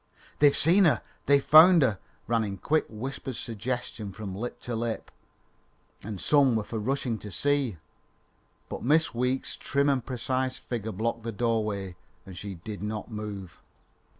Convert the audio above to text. "They've seen her! They've found her!" ran in quick, whispered suggestion from lip to lip, and some were for rushing to see. But Miss Weeks' trim and precise figure blocked the doorway, and she did not move.